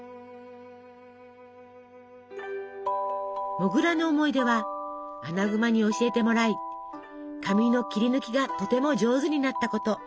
モグラの思い出はアナグマに教えてもらい紙の切り抜きがとても上手になったこと。